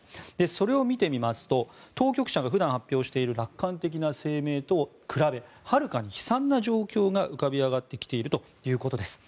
それを見てみますと当局者が普段発表している楽観的な声明と比べはるかに悲惨な状況が浮かび上がってきているということです。